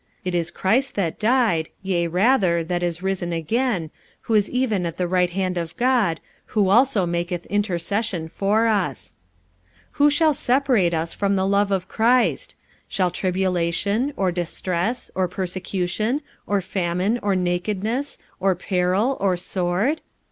It is Christ that died, yea rather, that is risen again, who is even at the right hand of God, who also maketh intercession for us. 45:008:035 Who shall separate us from the love of Christ? shall tribulation, or distress, or persecution, or famine, or nakedness, or peril, or sword?